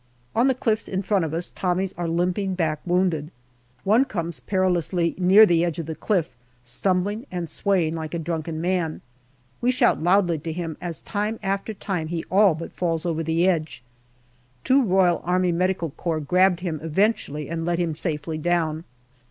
On the cliffs in front of us Tommies are limping back wounded. One comes perilously near the edge of the cliff, stumbling and swaying like a drunken man. We shout loudly to him as time after time he all but falls over the edge. Two R.A.M.C. grabbed him eventually and led him safely down.